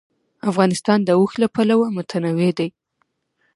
افغانستان د اوښ له پلوه متنوع دی.